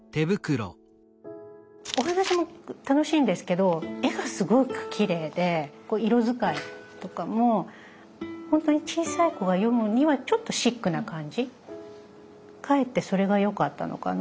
お話も楽しいんですけど絵がすごくきれいで色使いとかもほんとに小さい子が読むにはちょっとシックな感じかえってそれがよかったのかな